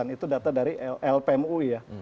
itu data dari lpmui ya